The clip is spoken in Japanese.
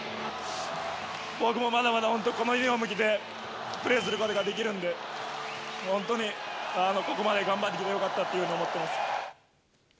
僕もまだまだ本当、このユニホームを着てプレーすることができるんで、本当にここまで頑張ってきてよかったっていうふうに思ってます。